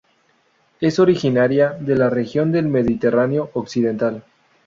Es originaria de la región del Mediterráneo occidental.